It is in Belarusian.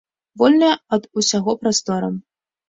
Вольная ад усяго прастора.